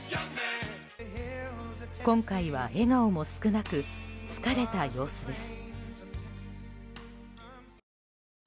今回は、笑顔も少なく疲れた様子です。